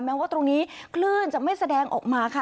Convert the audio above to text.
แม้ว่าตรงนี้คลื่นจะไม่แสดงออกมาค่ะ